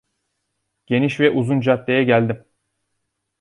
Geniş ve uzun caddeye geldim.